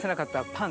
パン？